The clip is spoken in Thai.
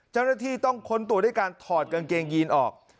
เจ้าหน้าที่ต้องค้นตัวด้วยการถอดกางเกงยีนออก